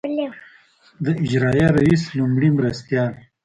د اجرائیه رییس لومړي مرستیال.